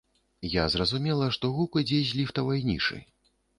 Я зразумела, што гук ідзе з ліфтавай нішы.